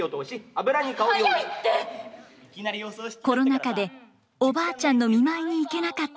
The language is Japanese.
コロナ禍でおばあちゃんの見舞いに行けなかったことを悔いるエリカ。